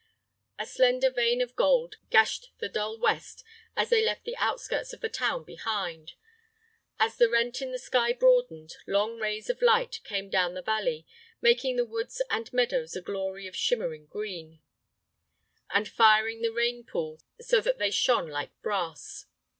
A slender vein of gold gashed the dull west as they left the outskirts of the town behind. As the rent in the sky broadened, long rays of light came down the valley, making the woods and meadows a glory of shimmering green, and firing the rain pools so that they shone like brass.